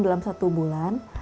dalam satu bulan